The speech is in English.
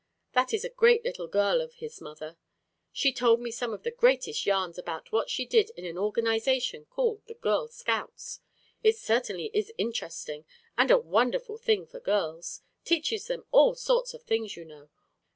That is a great little girl of his, mother. She told me some of the greatest yarns about what she did in an organization called the Girl Scouts. It certainly is interesting and a wonderful thing for girls. Teaches them all sorts of things, you know.